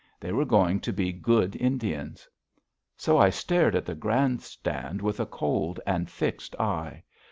They were going to be good Indians. So I stared at the grand stand with a cold and fixed eye.